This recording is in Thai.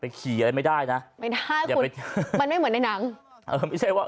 ขี่อะไรไม่ได้นะไม่ได้มันไม่เหมือนในหนังเออไม่ใช่ว่า